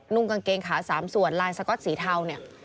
นุ่มกางเกงขาสามสวนลายสก๊อตสีเทาเนี่ย